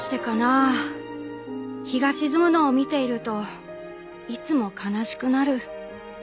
あ日が沈むのを見ているといつも悲しくなる」。